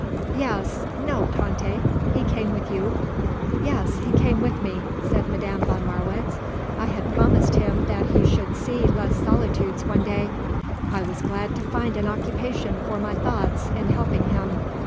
Yes. No, Tante. He came with you?" "Yes, he came with me," said Madame von Marwitz. "I had promised him that he should see Les Solitudes one day. I was glad to find an occupation for my thoughts in helping him.